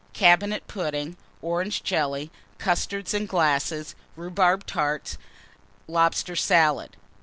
Cabinet Pudding. Orange Jelly. Custards, in glasses. Rhubarb Tart. Lobster Salad.